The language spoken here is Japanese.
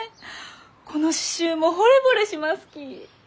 この刺しゅうもほれぼれしますき。